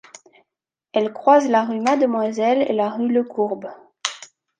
Elle croise la rue Mademoiselle et la rue Lecourbe.